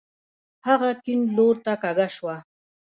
هغه کيڼ لورته کږه شوه.